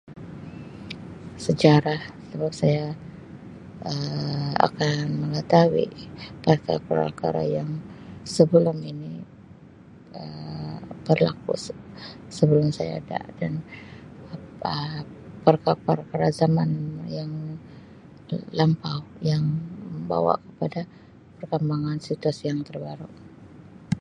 Sejarah sebab saya Um akan mengetahui perkara-perkara yang sebelum ini Um berlaku se-sebelum saya ada dan Um perkara pada zaman yang l-lampau, yang membawa kepada perkembangan situasi yang terbaru.